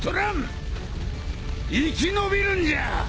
生き延びるんじゃ！